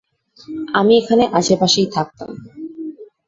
আমি এখানে আশেপাশেই থাকতাম।